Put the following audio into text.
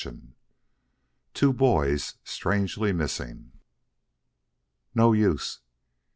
CHAPTER XXI TWO BOYS STRANGELY MISSING "No use.